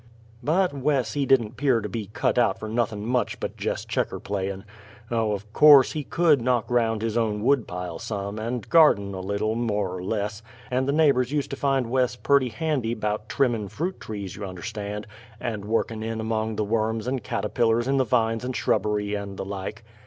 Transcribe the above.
But Wes he didn't 'pear to be cut out fer nothin' much but jest Checker playin'. Oh, of course, he could knock round his own woodpile some, and garden a little, more er less; and the neighbers ust to find Wes purty handy 'bout trimmin' fruit trees, you understand, and workin' in among the worms and cattapillers in the vines and shrubbery, and the like.